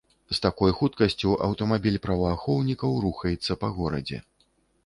З такой хуткасцю аўтамабіль праваахоўнікаў рухаецца па горадзе.